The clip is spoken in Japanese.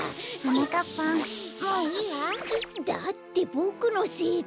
だってボクのせいで。